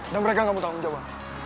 dan semuanya juga